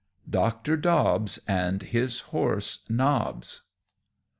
_Doctor Dobbs, and his Horse Nobbs.